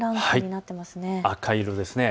赤色です。